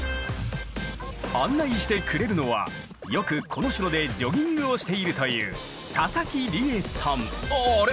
案内してくれるのはよくこの城でジョギングをしているというあれ？